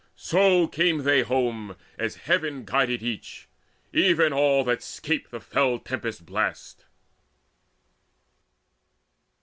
So came they home, as heaven guided each, Even all that 'scaped the fell sea tempest blasts.